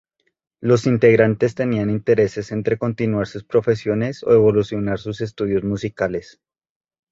Los integrantes tenían intereses entre continuar sus profesiones o evolucionar sus estudios musicales.